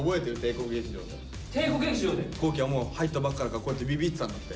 皇輝はもう入ったばっかだからこうやってびびってたんだって。